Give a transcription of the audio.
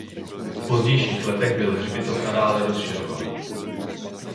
V pozdějších letech byl hřbitov nadále rozšiřován.